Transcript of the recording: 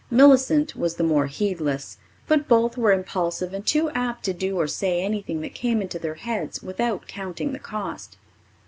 Millicent was the more heedless, but both were impulsive and too apt to do or say anything that came into their heads without counting the cost.